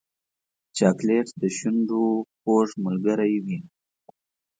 چاکلېټ د شونډو خوږ ملګری وي.